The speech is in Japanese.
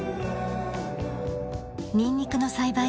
ニンニクの栽培です。